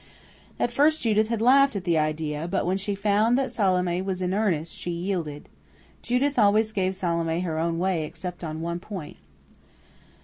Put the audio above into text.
At first Judith had laughed at the idea; but, when she found that Salome was in earnest, she yielded. Judith always gave Salome her own way except on one point.